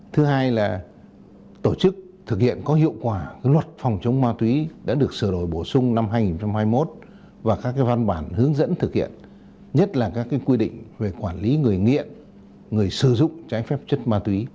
thứ hai là tổ chức thực hiện có hiệu quả luật phòng chống ma túy đã được sửa đổi bổ sung năm hai nghìn hai mươi một và các văn bản hướng dẫn thực hiện nhất là các quy định về quản lý người nghiện người sử dụng trái phép chất ma túy